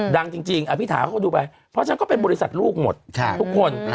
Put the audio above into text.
ดังจริงอภิษฐาเขาก็ดูไปเพราะฉะนั้นก็เป็นบริษัทลูกหมดทุกคน